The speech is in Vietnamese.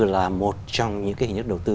là một trong những cái hình thức đầu tư